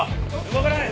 動かない！